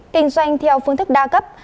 kinh doanh theo phương thức đa cấp